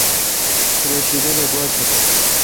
رو گیشد گوا چول بیل۔